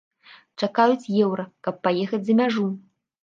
Чакаюць еўра, каб паехаць за мяжу.